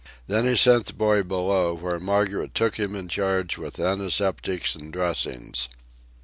Then he sent the boy below, where Margaret took him in charge with antiseptics and dressings.